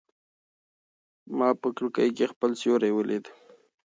ما په کړکۍ کې خپل سیوری ولید.